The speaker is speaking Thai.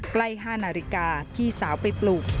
ใกล้๕นาฬิกาพี่สาวไปปลูก